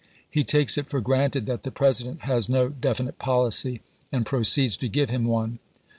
He takes it for granted that the President has no definite policy, and proceeds to give him one.